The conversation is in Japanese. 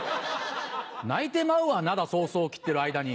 泣いてまうわ『涙そうそう』切ってる間に。